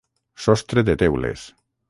Sostre de teules.